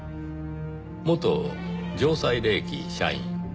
元城西冷機社員。